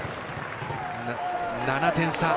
７点差。